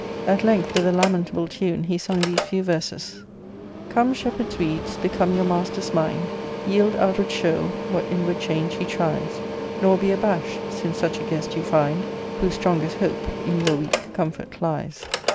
At length, with a lamentable tune, he sung these few verses :—'. I " Come, shepherd's weeds, become your master's mind, •/.) Yield outward show what inward change he tries ; Nor be abashed, since such a guest you find, Whose strongest hope in your weak comfort lies.